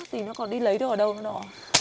thì nó còn đi lấy được ở đâu nữa đâu